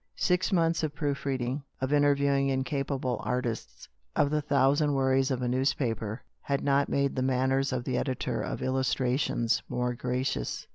Six months of proof reading, of interviewing incapable artists, of the thousand worries of a newspaper, had not made the manners of the editor of IWmtrar tions more gracious.